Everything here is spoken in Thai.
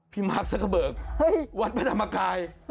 มาร์คสักกระเบิกวัดพระธรรมกาย